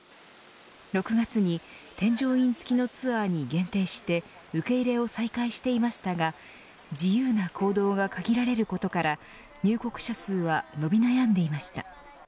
６月に添乗員つきのツアーに限定して受け入れを再開していましたが自由な行動が限られることから入国者数は伸び悩んでいました。